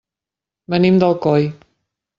Venim d'Alcoi.